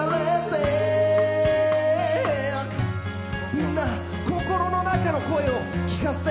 みんな心の中の声を聴かせて。